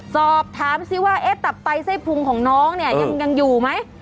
สอบถามซิว่าตับไตไส้พุงของน้องเนี่ยยังอยู่ไหม